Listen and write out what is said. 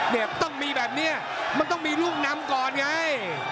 เนี่ยต้องมีแบบนี้มันต้องมีลูกนำก่อนไง